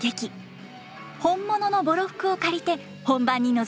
本物のボロ服を借りて本番に臨みます。